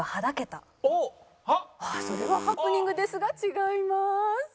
それはハプニングですが違います。